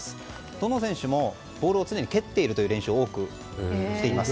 どの選手もボールを常に蹴る練習を多くしています。